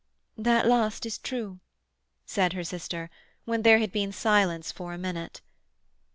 "That last is true," said her sister, when there had been silence for a minute.